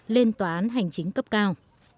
lên tòa án hành chính cấp cao